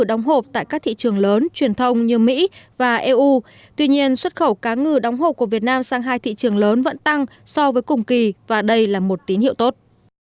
đóng hộp tại các thị trường lớn truyền thông như mỹ và eu tuy nhiên xuất khẩu cá ngừ đóng hộp của việt nam sang hai thị trường lớn vẫn tăng so với cùng kỳ và đây là một tín hiệu tốt